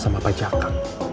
sama pak jaka